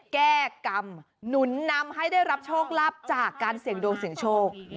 แก้กรรมหนุนนำให้ได้รับโชคลาภจากการเสี่ยงดวงเสี่ยงโชค